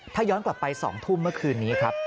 ถ้าย้อนกลับไป๒ทุ่มเมื่อคืนนี้ครับ